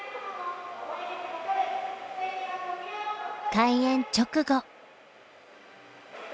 開園直後。